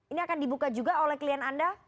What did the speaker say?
ini akan dibuka juga oleh klien anda